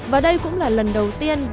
và đây cũng là lần đầu tiên việt nam